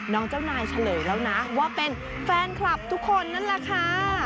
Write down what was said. เจ้านายเฉลยแล้วนะว่าเป็นแฟนคลับทุกคนนั่นแหละค่ะ